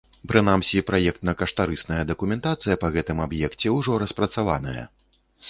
Прынамсі, праектна-каштарысная дакументацыя па гэтым аб'екце ўжо распрацаваная.